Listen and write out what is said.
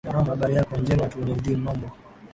naam habari yako njema tu nurdin mambo